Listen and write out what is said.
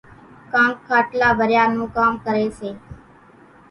ڪانڪ کاٽلا ڀريا نون ڪام ڪريَ سي۔